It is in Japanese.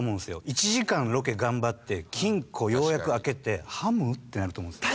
１時間ロケ頑張って金庫ようやく開けてハム？ってなると思うんですよ。